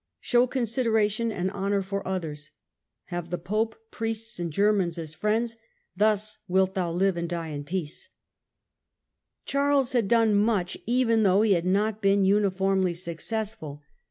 Show consideration and honour for others. Have the Pope, Priests and Germans as friends ; thus wilt thou live and die in peace." Results of Charles had done much even though he had not been leign uniformly successful.